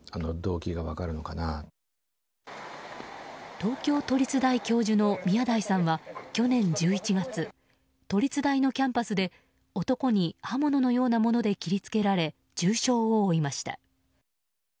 東京都立大教授の宮台さんは去年１１月都立大のキャンパスで男に刃物のようなもので切り付けられ、重傷を負いました。